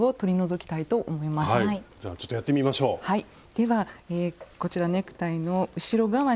ではこちらネクタイの後ろ側にですね